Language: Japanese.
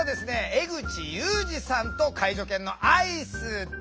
江口雄司さんと介助犬のアイスです。